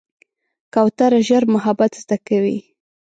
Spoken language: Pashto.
کوتره ژر محبت زده کوي.